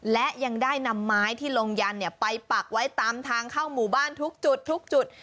และยังได้นำไม้ที่ลงยันไปปักไว้ตามทางเข้าหมู่บ้านทุกจุดทุกจุด